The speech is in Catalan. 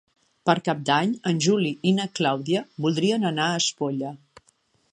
Per Cap d'Any en Juli i na Clàudia voldrien anar a Espolla.